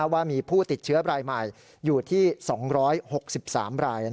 ว่ามีผู้ติดเชื้อรายใหม่อยู่ที่๒๖๓ราย